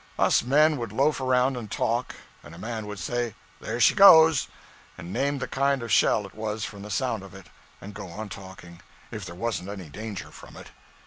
Us men would loaf around and talk; and a man would say, 'There she goes!' and name the kind of shell it was from the sound of it, and go on talking if there wasn't any danger from it.